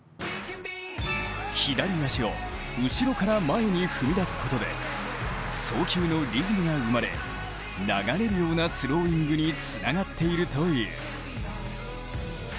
左足を後ろから前に踏み出すことで送球のリズムが生まれ、流れるようなスローイングにつながっているという。